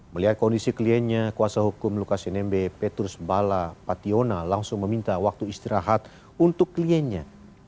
melihat kondisi kliennya kuasa hukum lukas nmb peturus bala pationa langsung meminta waktu istirahat untuk kliennya